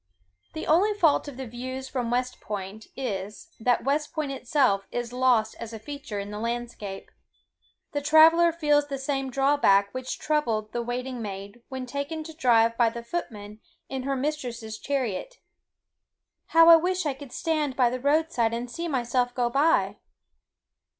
The only fault of the views from West Point, is, that West Point itself is lost as a feature in the landscape. The traveller feels the same drawback which troubled the waiting maid when taken to drive by the footman in her mistress's chariot—"How I wish I could stand by the road side and see myself go by!"